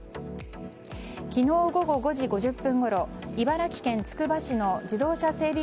昨日午後５時５０分ごろ茨城県つくば市の自動車整備